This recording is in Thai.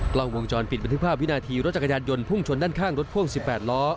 กล้องวงจรปิดบันทึกภาพวินาทีรถจักรยานยนต์พุ่งชนด้านข้างรถพ่วง๑๘ล้อ